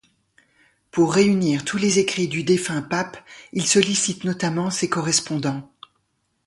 Pour réunir tous les écrits du défunt pape, il sollicite notamment ses correspondants.